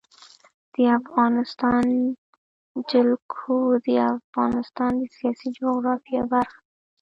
د افغانستان جلکو د افغانستان د سیاسي جغرافیه برخه ده.